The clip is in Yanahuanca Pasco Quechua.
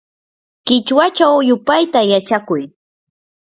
qichwachaw yupayta yachakuy.